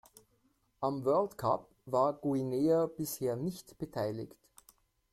Am World Cup war Guinea bisher nicht beteiligt.